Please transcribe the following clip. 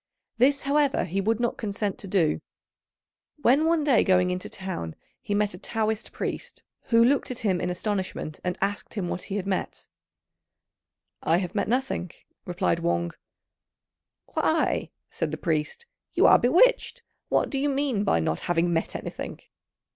This, however, he would not consent to do; when one day, going into the town, he met a Taoist priest, who looked at him in astonishment, and asked him what he had met. "I have met nothing," replied Wang. "Why," said the priest, "you are bewitched; what do you mean by not having met anything?"